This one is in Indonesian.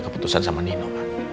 keputusan sama nino